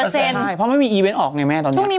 ใช่เพราะไม่มีอีเวนต์ออกไงแม่ตอนนี้